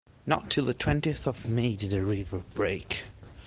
Not till the twentieth of May did the river break.